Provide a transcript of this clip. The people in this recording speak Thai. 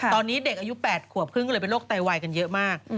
ตอนนี้เด็กอายุ๘ขวบครึ่งก็เลยเป็นโรคไตวายกันเยอะมาก